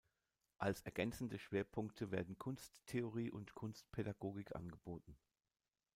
Als ergänzende Schwerpunkte werden Kunsttheorie und Kunstpädagogik angeboten.